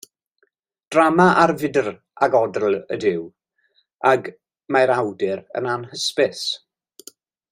Drama ar fydr ac odl ydyw ac mae'r awdur yn anhysbys.